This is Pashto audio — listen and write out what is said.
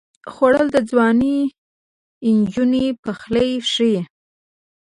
خوړل د ځوانې نجونې پخلی ښيي